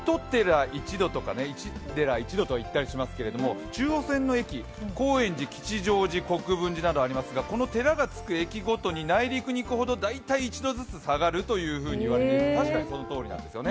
一寺一度とか言いますが、中央線の駅、高円寺、吉祥寺、国分寺などありますがこの寺がつく駅ごとに内陸に行くごとに大体１度ずつ下がっていく、確かにそのとおりなんですよね。